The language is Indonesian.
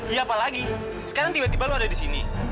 iya apa lagi sekarang tiba tiba lo ada disini